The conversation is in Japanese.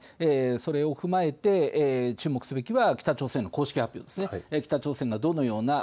それを踏まえて注目すべきは北朝鮮の公式発表です。